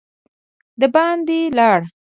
د باندي لاړ.